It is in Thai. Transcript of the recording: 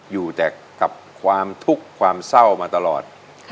อยู่แต่กับความทุกข์ความเศร้ามาตลอด